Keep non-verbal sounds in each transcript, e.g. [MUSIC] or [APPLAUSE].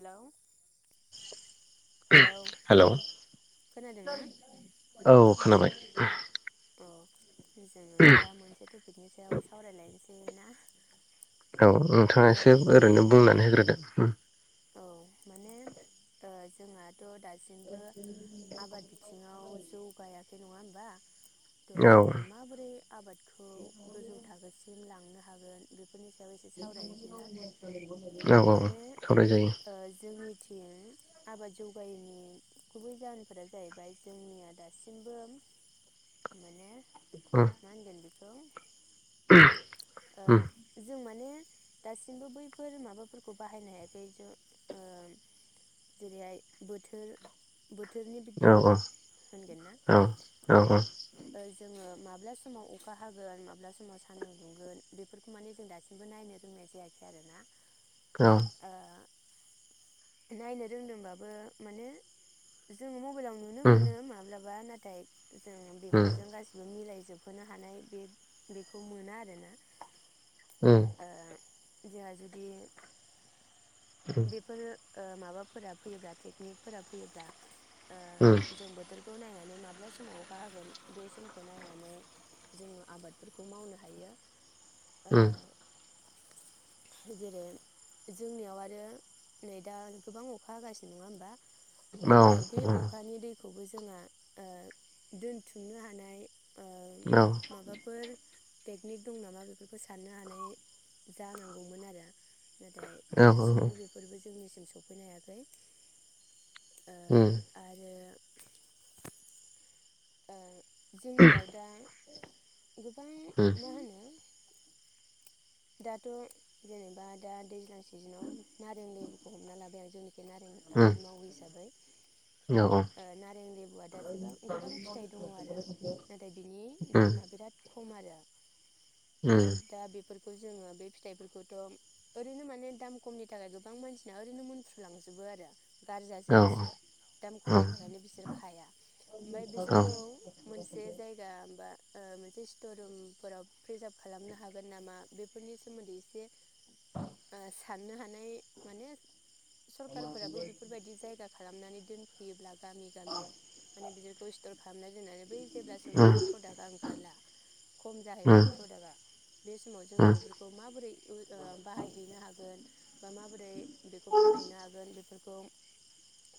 Hello. Hello hello खोनादोंना औ खोनाबाय। अ जोङो दा मोनसे टपिकनि सायाव सावरायलायनोसै। ना औ ओ नोंथाङा एसो ओरैनो मोन बुंनानै होग्रोदो उम। औ माने ओ जोंहाथ दा दासिमबो आबाद बिथिङाव जौगायाखै नङा होमबा थ औ जोङो माबोरै आबादखौ गोजौ थाखोसि म लांनो हागोन बे औ औ माने औ ओ सावरायजायो। जोंनिथिं आबाद जौगायैनि गुबै जाहोनफोरा जाहैबाय जोंनिया दासिमबो माने उम मा होनगोन बे ओं। उम ओ जों माने दासिमबो बैफोर माबाफोरखौ बाहायनो हायाखै ज ओम जेरैहाय बोथोर बोथोरनि औ औ बिगियान होनगोन ना? औ औ माने औ ओ जोङो माब्ला समाव अखा हागोन माब्ला समाव सान्दुं दुंगोन बेफोरखौ माने जों दासिमबो नायनो रोंनाय जायाखै आरो ना। औ नायनो रोंदोंबाबो माने जों मब बाइलाव नुनो उम मोनो माब्लाबा नाथ [UNINTELLIGIBLE] जों उम बेफोरजों गासिबो मिलायजोब जोबहोनो हानाय बे-बेखौ मोना आरोना ओं जोहा जुदि बेफोरो ओ माबाफोरा फैयोब्ला टेकनिकफोरा फैयोब्ला ओ उम जों बोथोरखौ नायना माने माब्ला समाव अखा होगोन बे समखौ नायनानै जोंङो आबादफोरखौ मावनो हायो। ओ उम्म जेरै जोंनियाव आरो नै दा गोबां अखा हागासिनो नङा होमबा? [UNINTELLIGIBLE] खौबो जोंङा ओ दोनथुमनो हानाय ओ उम माबाफोर टेकनिक दं नामा बेफोरखौ साननो हानाय जानांगौमोन आरो। नाथाय दासिमबो बे जोंनिसिम सफैनो हायाखै ओ उम आरो ओ जोंनियाव दा [UNINTELLIGIBLE] उम मा होनो दाथ' जेनेबा दा दैज्लां सिजिनाव नारें लेबुखौ हमना लाबाय आं जोंनि नारें आबाद मावो हिसाबै ओ नारें लेबुआ दा जेबा गोबां फिथाइ दङ आरो नाथाय बिनि दामा बिराद ख खम आरो ओ दा बेफोर खौ जोङो बे फिथाइफोरखौथ' ओरैनो माने दाम खमनि थाखाय गोबां मानसिना ओरैनो मोनफ्रुलांजोबो आरो। गाज्रि जाजोबोसो दाम खमनि थाखायनो बिसोर खाया ओमफ्राय बिसोरखौ मोनसे जायगा बा ओ मोनसे स्टर रुमफोराव प्रिजार्भ खालामनो हागोन नामा? बेफोरनि सोमोन्दै एसे आसा साननो हानाय माने सरखारफोराबो बेफोरबायदि जायगा खालामनानै दोनफैयोब्ला गामि गामि माने बिदिखौ स्टर खालामना दोननानै बै जेब्ला समाव बे प्रडाक्टआ ओंखारला खम जाहैबाय प्रडाक्टआ बे समाव जोङो बेफोरखौ माबोरै बाहायहैनो हागोन। [INAUDIBLE] बा माबोरै बेखौ फानहैनो हागोन। फोरखौ।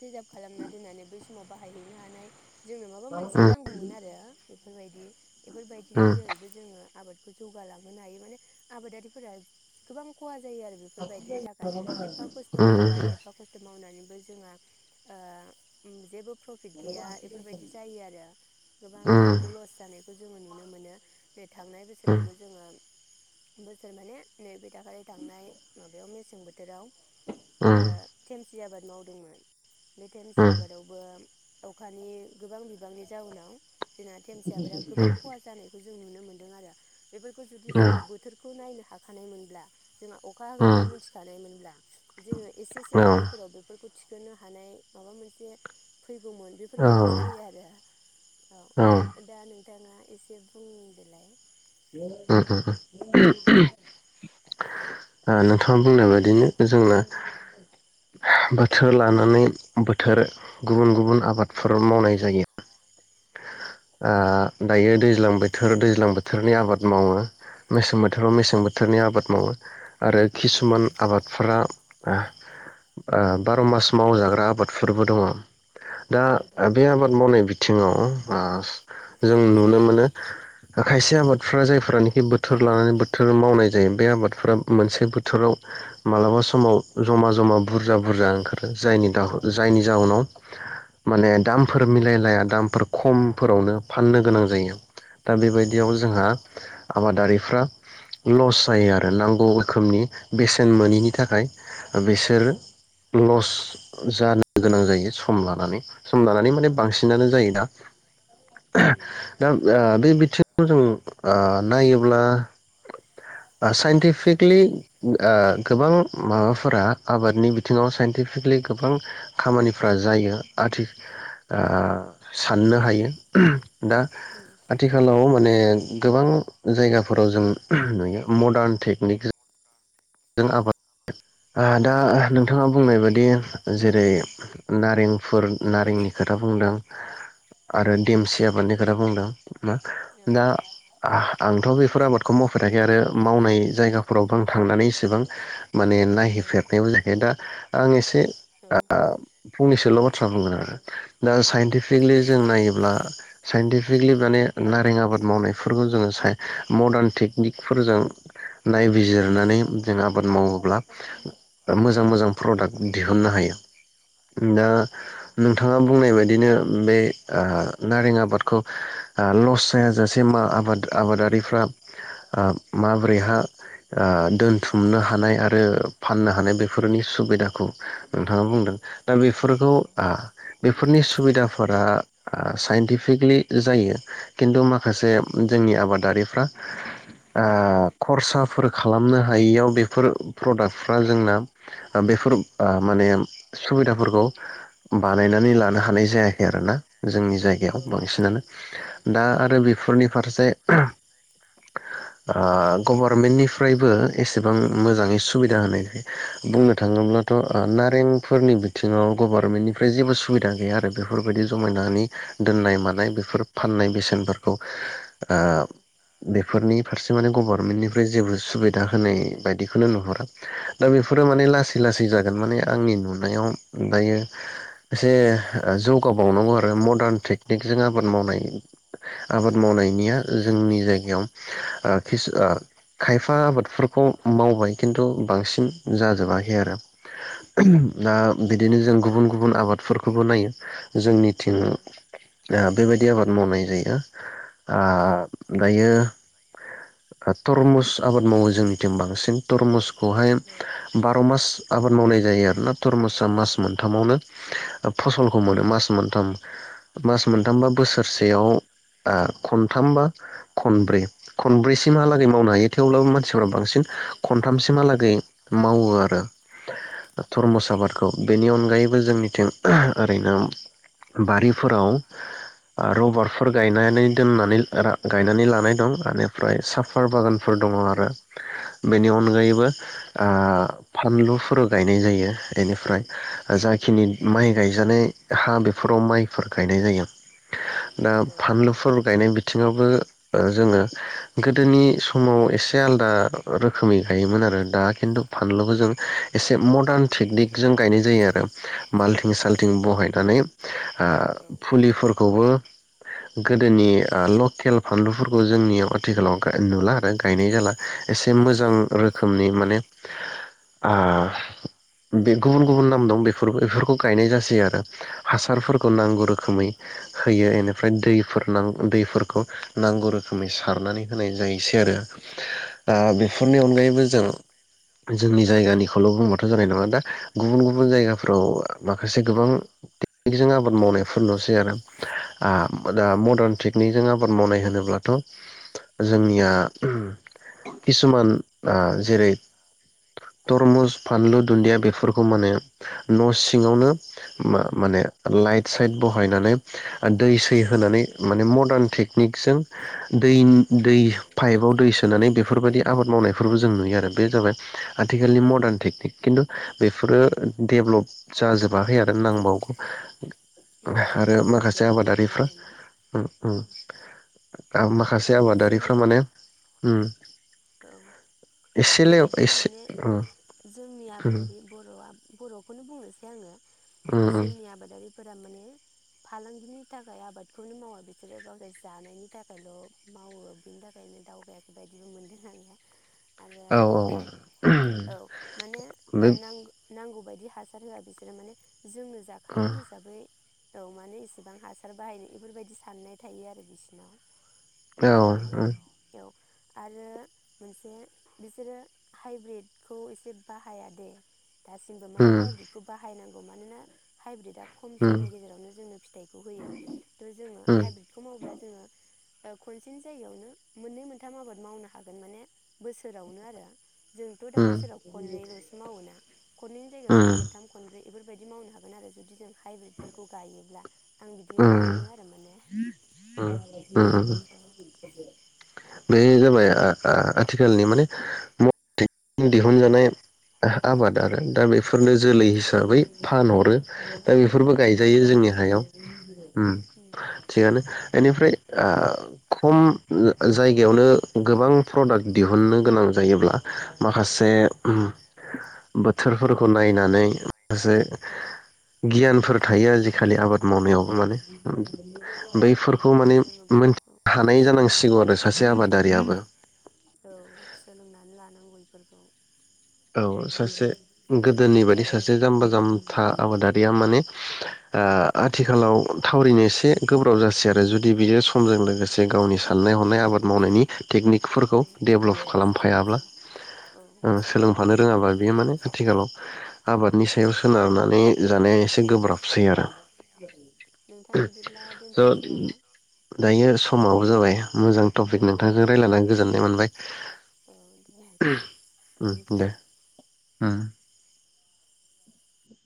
रिजार्भ खालामना दोननानै बै समाव बाहायहैनो हानाय जोंनो माबा मोनसे नांगौमोन आरो बेफोरबायदि बेफोरबायदिनो जेरैबो जोङो आबाद जौगालांहोनो हायो माने आबादारिफोरा गोबां खहा जायो आरो बेफोरबायदिनि थाखाय एफा खस्थ मावबाय एफा खस्थ मावनानैबो जोंहा ओ जेबो प्रफिट गैया बेफोरबायदि जायो आरो गोबां लस जानायखौ जोङो नुनो मोनो। बेै थांनाय बोसोरावबो जोङो। बोसोर माने नैबे दाखालथांनाय माबायाव मेसें बोथोर बोथोराव ओह थिम्स जि आबाद मावदोंमोन। बे धेमसि आबादावबो अखानि गोबां बिबांनि जाउनाव। जोंना तेमसि आबादा गोबां खहा जानायखौ जों नुनो मोन्दों आरो बेफोरखौ जों ओ। खौ नायनो हाखानायमोनब्ला जोंहा अखा होगोनखौ मिथिखानायमोनब्ला जोङो एसेसे आगोलफोरावनो बेफोरखौ थिखोनो हानाय माबा मोनसे फैगौमोन बेफोरबायदि जायो आरो औ दा नोंथाङा एसे बुंदोलाय? उम उम उम [UNINTELLIGIBLE] ओ नोंथां बुंनाय बायदिनो जोंना बोथोर लानानै बोथोर गुबुन गुबुन औ आबादफोर मावनाय जायो। उम [INAUDIBLE] ओ दायो दैज्लां बोथोर, दैज्लां बोथोरनि आबाद मावो। मेसें बोथोराव औ उम औ मेसें बोथोरनि आबाद मावो। [INAUDIBLE] आरो खिसुमान आबादफोरा आ ओ बारमास मावजाग्रा आबादफोरबो दङ। दा दङ बे आबाद मावनाय बिथिङाव आ जों नुनो मोनो। खायसे आबादफ्रा जायफ्रानाखि बोथोर लानानै बोथोर मावनाय जायो बे आबादफ्रा मोनसे बोथोराव मालाबा समाव जमा जमा बुरजा बुरजा ओंखारो जायनि दाहो-जायनि जाहोनाव माने उम औ उम औ उम औ दामफोर मिलायलाया दामफोर खम फोरावनो फाननो गोनां जायो। दा बेबायदियाव जोंहा आबादारिफ्रा लस जायो आरो औ नांगौ रोखोमनि बेसेन मोनिनि थाखाय बिसोर लस जानो गोनां जायो सम लानानै सम लानानै माने बांसिनानो जायो दा। [UNINTELLIGIBLE] दा ओ बे बिथिङाव जों ओ नायोब्ला ओ साइन्टिपिक लि ओ गोबां माबाफोरा आबादनि बिथिङाव साइन्टिफिकेलि गोबां खामानिफोरा जायो आथि ओ साननो हायो। दा आथिखालाव माने गोबां जायगाफोराव जों नुयो मदार्न टेकनिकजो जों आबाद आ दा नोंथाङा बुंनाय बायदि जेरै नारेंफोर नारेंनि खोथा बुंदों। आरो देमसि आबादनि खोथा बुंदों मा दा [UNINTELLIGIBLE] आंथ' बेफोर आबादखौ मावफेराखै आरो मावनाय जायगाफोरावबो आं थांनानै सो गोबां माने नायहैफेरनायबो जायखै दा आं एसे आ फंनैसोल बाथ्रा बुंगोन आरो दा साइनटिफिक केलि जों नायोब्ला साइन्टिफिकलि माने नारें आबाद मावनायफोरखौ जोङो सा मदार्न टेकनिकफोरजों नायबिजिरनानै जों आबाद मावोब्ला औ मोजां मोजां प्रदाक्ट दिहुननो हायो। दा हायो नोंथाङा बुंनाय बायदि बिदिनो बे ओ नारें आबादखौ ओ लस जायाजासे मा आबाद आबादारिफ्रा ओ माबोरैहा दोन थुमनो हानाय आरो फाननो हानाय बेफोरनि सुबिदाखौ नोंथाङा बुंदों। दा बेफोरखौ औ आ बेफोरनि सुबिदाफोरा आ साइन्टिफिकलि जायो खिन्थु मा खासे जोंनि आबादारि [INAUDIBLE] औ उम औ ओ खरसा फोर खालामनो हायियाव बेफोर प्रडाक्टफ्रा जोंना बेफोर अ माने सुबिदाफोरखौ बानायनानै लानो हानाय जाया आरोना जोंनि दा आरो बेफोरनि जायगायाव बांसिनानो। फारसे दा आरो ओ बेफोरनि फारसे आ गभार्मेन्टनिफ्रायबो एसेबां मोजाङै सुबिदा होनायखाय बुंनो थाङोब्ला थ ' नारें फोरनि बिथिङाव गभार्मेन्टनिफ्राय जेबो सुबिदा गैया आरो बेफोरबायदि जमायनानै दोननाय मानाय बेफोर फाननाय बेसेनफोरखौ ओ दा बेफोरो बेफोरनि फारसे माने गभार्मेन्टनिफ्राय जेबो सुबि दा होनाय बायदिखौनो नुहुरा। दा बेफोरो माने लासै लासै जागोन माने आंनि नुनायाव दायो एसे जौगाबावनांगौ आरो मदार्न टेक दिगजों आबाद मावनाय आबाद मावनायनिया जोंनि जायगायाव ओ खिस ओ खायफा आबाद फोरखौ मावबाय खिन्थु बांसिन जाजोबाखै आरो। दा बिदिनो जों गुबुन गुबुन आबादफोरखौबो नायो जोंनि थिं। आ बेबायदि आबाद मावनाय जायो आ दायो। तरमुस औ उम औ उम औ उम औ आबाद मावो। जोंनिथिं बांसिन तरमुसखौहाय बारमास आबाद मावनाय जायो आरोना तरमुसा मास मोनथामावनो फसलखौ मोनो मास मोनथाम। [INAUDIBLE] मास मोनथाम बा बोसोरसेयाव आ‌ खनथाम बा खनब्रै खनब्रैसि महालागै मावनो हायो थेब्लाबो माने सिफोरा बांसिन खनथामसिमहालागै मावो आरो। तरमुस आबादखौ। बेनि अनगायैबो जोंनिथिं ओरैनो बारिफोराव आरो रबारफोर गायनाय गायनानै दोननानै गायनानै लानाय दं आरो। ओमफ्राय साफार बागानफोर दङ आरो। [INAUDIBLE] बेनि अनगायैबो। ओ फानलुफोर गायनाय जायो बेनिफ्राय जाखिनि माइ। गायजानाय हा बेफोराव माइफोर गायनाय जायो। दा फान्लुफोर। गायनाय बिथिङावबो जोङो गोदोनि समाव एसे आलदा आलदा रोखोमै गायोमोन आरो दा खिन्थु फानलुखौ जों एसे मदार्न टेकनिक जों गायनाय जायो आरो। माल्थिं साल्थिं बहायनानै [INAUDIBLE] आ फुलिफोर खौबो गोदोनि लकेल फानलुफोरखौ जोंनियाव आथिखालाव नुला आरो गायनाय जाला। एसे मोजां रोखोमनि माने। आ बे गुबुन गुबुन नाम दं बेफोर बेफोरखौ गायनाय जासै आरो। हासारफोरखौ नांगौ माने रोखोमै। होयो बेनिफ्राय दैफोर दैफोरखौ नांगौ रोखोमै सारनानै होनाय जायोसै आरो। दा औ बेफोरनि अनगायैबो जों। जोंनि जायगानिखौल बुंबाथ जानाय नङा दा गुबुन गुबुन। गुबुन जायगाफ्राव माखा। माखासे गोबां टेकनिकजों आबाद मावनायफोर नुसै आरो आ दा औ मडार्न नोंसै टेकनिक जों आबाद मावनाय होनोब्ला थ जोंनिया किसुमान जेरै तरमुस फानलु दुन्दिया बेफोरखौ माने न' सिङावनो उम, मा माने लाइट साइट बहायनानै आरो दै सै औ होनानै माने मदार्न थिक निकसजों दै दै औ पाइबयाव दै सो सोनानै बेफोरबायदि आबाद मावनायफोरबो जों नुयो आरो बे जाबाय आथिखालनि औ मडान टेकनिक किन्तु बेफोरो औ डेब्लब जाजोबाखै आरो नांबावगौ। आरो जोंनिखि माखासे नांबावगौ आबादारिफ्रा आरोना उम उम। आ माखासे माने आबादारिफ्रा जोङो माने। उम औ एसेल' ओरैबायदि एसे माने उम जोंनि उम आबादारि बर आब बरखौनो बुंनोसै आङो। उम जोंनि आबादारिफ फोर माने फालांगिनि थाखाय आबादखौनो मावा बिसोरो गावसोर जानायनि थाखायल। मावो बिनि थाखायनो दावगाखै बायदिबो मोनदों आं। आरो औ औ औ औ माने ओ बे नां-नांगौबायदि। बिदि हासार होआ बिसोरो माने। जोंनो उम जाखागोन हिसाबै। औ मानो इसेबां हासार बाहायनाय इफोरबायदि साननाय थायो आरो बिसिनाव। बे बिनि थाखायनो बेयाव। आरो मोनसे बिसोरो हाइब्रिदखौ एसे बाहाया दे। दासिमबो माने हाइब्रिदखौ बाहायनांग औ मानोना हाइब्रिड दाब खम समनि गेजेरावनो जोंनो फिथाइखौ होयो थ जोङो हाइब्रिदखौ मावोब्ला जोङो। खनसेनो जायियावनो मोननै मोनथाम आबाद मावनो हागोन माने बोसोरावनो आरो। जोंथ दा जाबाय बोसोराव खननैलसो मावोना? खननै जायगायाव जों खनथाम खनब्रै बेफोरबायदि मावनो हागोन आरो जुदि जों हाइब्रिदफोरखौ गायोब्ला। आं बिदि मोनदाङो आरो माने बे जाबाय आ-आ-आथिखालनि माने मते दिहुनजानाय आबाद आरो दा बेफोर। फोरनो जोलै हिसाबै फानहरो। दा बेफोरबो गायजायो जोंनि हायाव। [UNINTELLIGIBLE] उम थिगानो एनिफ्राय। ओ खम जा-जायगायावनो गोबां प्रडाक्ट दिहुननो गोनां जायोब्ला। माखासे उम बोथ बोथोरफोरखौ नायनानै माखासे औ गियानफोर उम थायो आजिखालि आबाद मावनायावबो माने [UNINTELLIGIBLE] औ थायो बैफोरखौ औ माने जोङो बेफोरखौ मोनथिनो औ हानाय जानांसिगौ आरो सोलोंनांगौ सासे औ आबादारियाबो औ सोलोंनानै लानांगौ [UNINTELLIGIBLE] औ सासे गोदोनि बायदि सासे जाम्बा जाम्था आबादारिया माने ओ औ आथिखालाव थावरिनो एसे गोब्राब जासै आरो जुदि बियो [UNINTELLIGIBLE] समजों लोगोसे गावनि साननाय हनाय आबाद मावनायनि टेकनिकफोरखौ औ डेभलप खालामफायाब्ला सोलायबाय औ ओ सोलों थानो रोङाबा बियो माने आथिखालाव आबादनि सायाव सोनारनानै जानाया एसे गोब्राबसै आरो। नोंथां बिदिब्ला स' दोनथ'नोसै नामा? दायो समाबो जाबाय। मोजां औ टपिक नोंथांजों रायज्लायना गोजोननाय मोनबाय। औ दे उम थेंक इउ दे ओम।